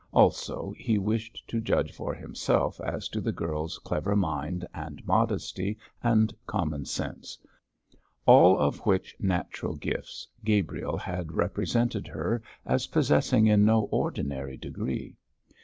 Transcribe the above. Also, he wished to judge for himself as to the girl's clever mind and modesty and common sense, all of which natural gifts Gabriel had represented her as possessing in no ordinary degree.